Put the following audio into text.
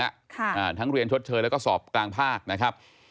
อ่าทั้งเรียนชดเชยแล้วก็สอบกลางภาคนะครับ